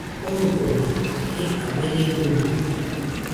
Ogodona eka baie joma